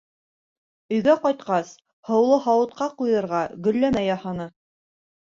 Өйгә ҡайтҡас һыулы һауытҡа ҡуйырға гөлләмә яһаны.